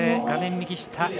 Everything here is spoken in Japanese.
画面右下。